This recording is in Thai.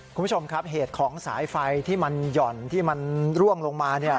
คุณผู้ชมครับเหตุของสายไฟที่มันหย่อนที่มันร่วงลงมา